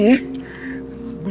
iih berat bang bantu enggak